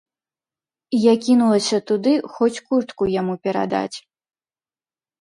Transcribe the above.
Я кінулася туды, хоць куртку яму перадаць.